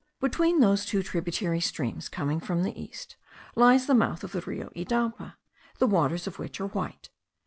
Between those two tributary streams coming from the east, lies the mouth of the Rio Idapa, the waters of which are white.